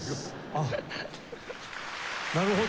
あっなるほどね。